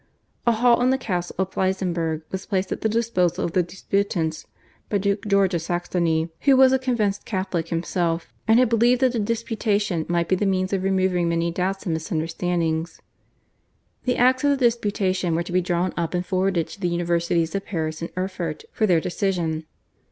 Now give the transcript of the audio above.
A hall in the castle of Pleissenburg was placed at the disposal of the disputants by Duke George of Saxony, who was a convinced Catholic himself, and who believed that the disputation might be the means of removing many doubts and misunderstandings. The acts of the disputation were to be drawn up and forwarded to the Universities of Paris and Erfurt for their decision.